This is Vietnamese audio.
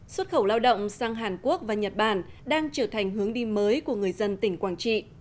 xuất khẩu lao động sang hàn quốc và nhật bản đang trở thành hướng đi mới của người dân tỉnh quảng trị